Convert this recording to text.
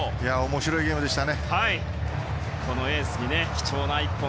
面白いゲームでした。